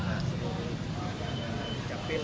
dan itu semuanya sama